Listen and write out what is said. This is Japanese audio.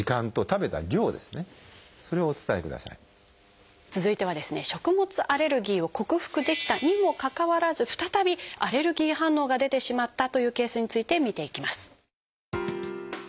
食物アレルギーを克服できたにもかかわらず再びアレルギー反応が出てしまったというケースについて見ていきます。